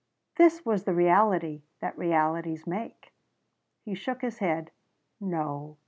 This was the reality that realities make. He shook his head. "No.